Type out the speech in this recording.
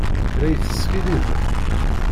La yi-teskiddibem?